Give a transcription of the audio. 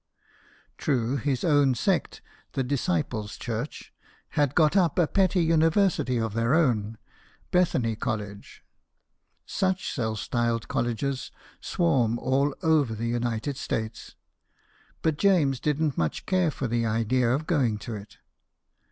True, his own sect, the " Disciples' Church," had got up a petty university of their own, "Bethany College" such self styled col leges swarm all over the United States ; but James didn't much care for the idea of going to it.